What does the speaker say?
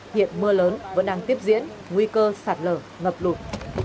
hiện mưa lớn vẫn đang tiếp diễn nguy cơ sạt lở ngập lụt